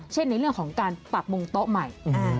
ในเรื่องของการปรับมุงโต๊ะใหม่